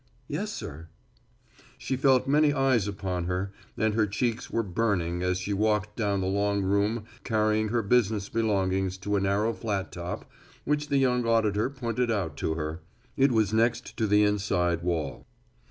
"Yes, sir." She felt many eyes upon her and her cheeks were burning as she walked down the long room carrying her business belongings to a narrow flat top which the young auditor pointed out to her. It was next the inside wall.